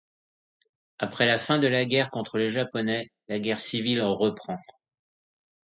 Après la fin de la guerre contre les Japonais, la guerre civile reprend.